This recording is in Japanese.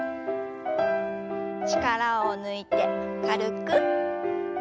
力を抜いて軽く。